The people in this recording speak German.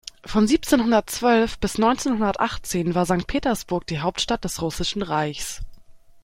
Von siebzehnhundertzwölf bis neunzehnhundertachtzehn war Sankt Petersburg die Hauptstadt des Russischen Reichs.